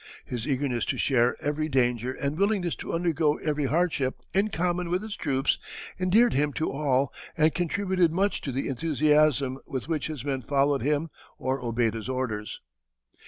His eagerness to share every danger, and willingness to undergo every hardship in common with his troops, endeared him to all and contributed much to the enthusiasm with which his men followed him or obeyed his orders.